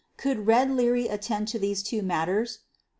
Could "Red" Leary attend to these two matters?